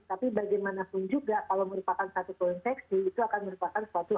tapi bagaimanapun juga kalau merupakan satu koinfeksi itu akan merupakan suatu